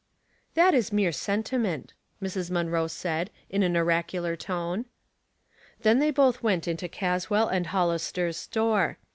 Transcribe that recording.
"That is mere sentiment," Mrs. Munroe said, in an oracular tone. Then they both went into Caswell & Hollis ter's store.